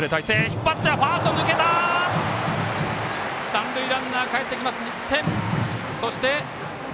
三塁ランナー、かえってきて１点。